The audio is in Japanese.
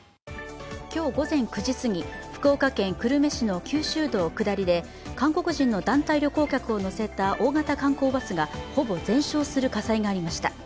今日午前９時すぎ、福岡県久留米市の九州道下りで韓国人の団体旅行客を乗せた大型観光バスがほぼ全焼する火災がありました。